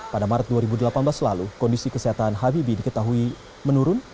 pada maret dua ribu delapan belas lalu kondisi kesehatan habibie diketahui menurun